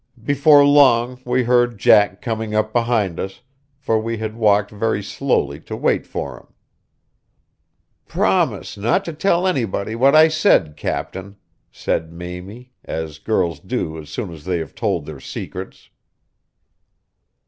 Before long we heard Jack coming up behind us, for we had walked very slowly to wait for him. "Promise not to tell anybody what I said, captain," said Mamie, as girls do as soon as they have told their secrets.